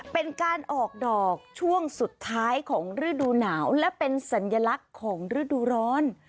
เป็นการออกดอกช่วงสุดท้ายของฤดูหนาวและเป็นสัญลักษณ์ของฤดูร้อน